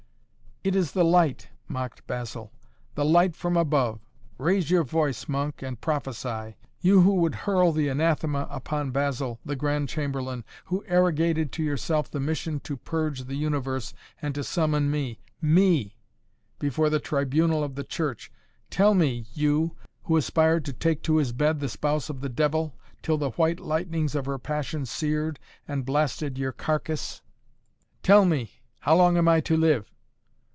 "It is the light," mocked Basil. "The light from above. Raise your voice, monk, and prophesy. You who would hurl the anathema upon Basil, the Grand Chamberlain, who arrogated to yourself the mission to purge the universe and to summon me me before the tribunal of the Church tell me, you, who aspired to take to his bed the spouse of the devil, till the white lightnings of her passion seared and blasted your carcass, tell me how long am I to live?"